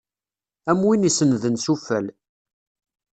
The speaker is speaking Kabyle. Am win isennden s uffal.